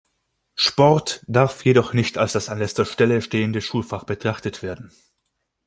Sport darf jedoch nicht als das an letzter Stelle stehende Schulfach betrachtet werden.